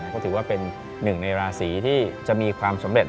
ก็ถือว่าเป็นหนึ่งในราศีที่จะมีความสำเร็จ